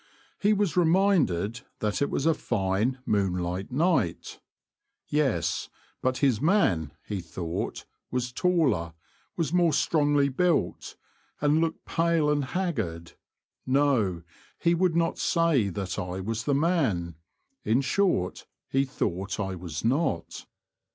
He was reminded that it was a fine, moonlight night. Yes, but his man, he thought, was taller, was more strongly built, and looked pale and haggard — no, he would not say that I was the man — in short, he thought I was not.